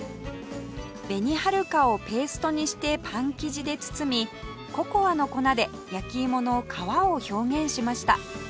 紅はるかをペーストにしてパン生地で包みココアの粉で焼き芋の皮を表現しました